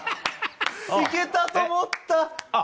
いけたと思った。